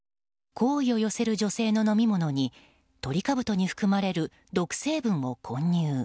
好意を寄せる女性の飲み物にトリカブトに含まれる毒成分を混入。